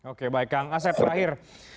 oke baik kang asep terakhir